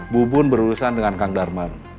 bubun berurusan dengan kang darman